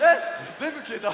ぜんぶきえた。